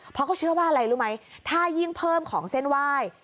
เพราะเขาเชื่อว่าอะไรรู้ไหมถ้ายิ่งเพิ่มของเส้นไหว้